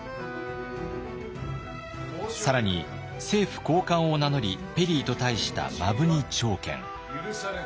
更に政府高官を名乗りペリーと対した摩文仁朝健。